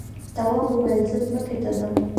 تواب وویل زه ځمکې ته ځم.